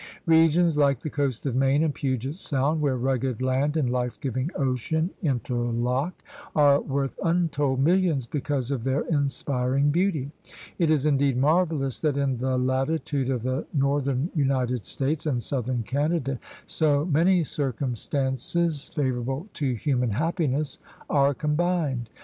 Regions like the coast of Maine and Puget Sound, where rugged land and life giving ocean in terlock, are worth untold millions because of their inspiring beauty. It is indeed marvelous that in the latitude of the northern United States and southern Canada so many circumstances favor able to human happiness are combined.